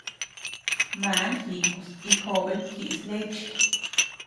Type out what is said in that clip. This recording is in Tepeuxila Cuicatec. Man jikus y joben jiʼis leche.